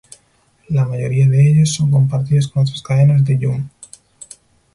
La mayoría de ellos son compartidos con otras cadenas de Yum!